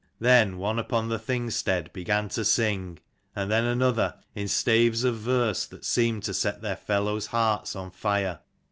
Then one upon the Thing stead began to sing, and then another, in staves of verse that seemed to set their fellows' hearts on fire.